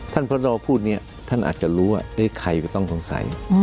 ท่านพระบัตรรอพูดเนี่ยท่านอาจจะรู้ว่าใครก็ต้องสงสัย